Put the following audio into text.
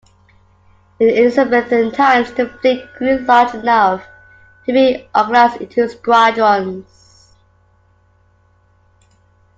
In Elizabethan times the fleet grew large enough to be organised into squadrons.